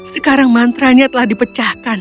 sekarang mantra nya telah dipecahkan